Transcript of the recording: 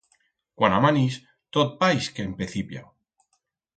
Cuan amanix tot paix que empecipia.